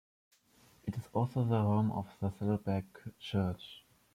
It is also the home of Saddleback Church.